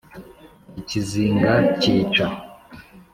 ikizinga cyica,